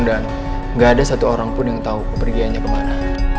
dan nggak ada satu orang pun yang tahu kepergiannya kemana